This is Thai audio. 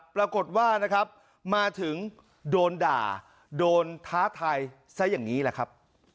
ปรากฏว่านะครับมาถึงโดนด่าโดนท้าทายซะอย่างนี้แหละครับ